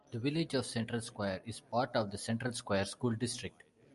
The village of Central Square is part of the Central Square School District.